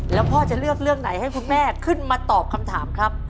แล้วพ่อจะเลือกเรื่องไหนให้คุณแม่ขึ้นมาตอบคำถามครับ